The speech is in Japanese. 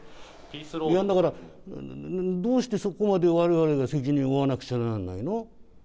いや、だから、どうしてそこまでわれわれが責任を負わなくちゃならないの？